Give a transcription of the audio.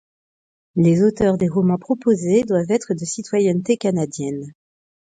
Les auteurs des romans proposés doivent être de citoyenneté canadienne.